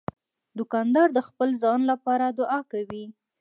دوکاندار د خپل ځان لپاره دعا کوي.